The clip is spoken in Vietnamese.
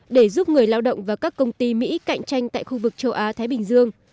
để giúp người lao động và các công ty mỹ cạnh tranh tại khu vực châu á thái bình dương